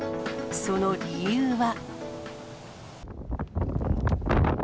その理由は。